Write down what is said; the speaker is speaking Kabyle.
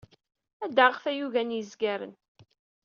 Ad d-aɣeɣ tayuga n yezgaren.